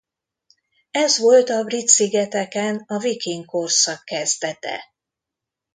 Ez volt a Brit-szigeteken a viking korszak kezdete.